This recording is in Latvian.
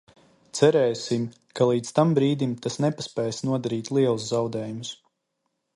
Cerēsim, ka līdz tam brīdim tas nepaspēs nodarīt lielus zaudējumus.